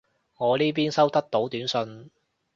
我呢邊收得到短信